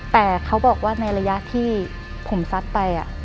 แต่เขาบอกว่าในระยะที่ผมซัดไป